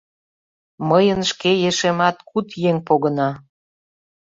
Мыйын шке ешемат куд еҥ погына.